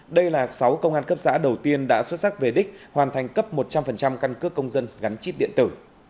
đây là sáu công an cấp xã đầu tiên đã xuất sắc về đích hoàn thành cấp một trăm linh căn cước công dân gắn chip điện tử